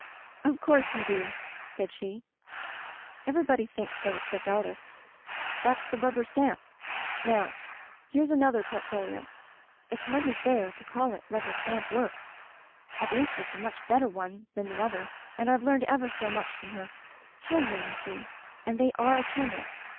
"*Of course you do* said she, 'Every body thinks so except artists. That's the Rubber Stamp. Now, here's another port folio. It's hardly fair to call it rubber stamp work; at least it's a much better one than the other, and I've learned ever so much from her. Children, you see;*and they are children.